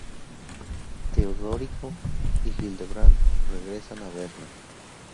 Teodorico y Hildebrand regresan a Berna.